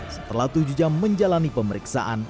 setelah tujuh jam menjalani pemeriksaan